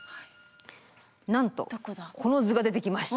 なんとこの図が出てきました。